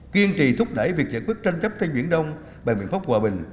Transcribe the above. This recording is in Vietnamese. kiên trì thúc đẩy việc giải quyết tranh chấp tây nguyễn đông bằng biện pháp hòa bình